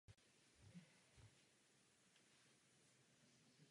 Mimo silniční dopravu prochází městysem také železniční trať.